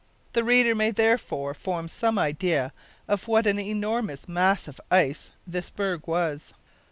The reader may therefore form some idea of what an enormous mass of ice this berg was.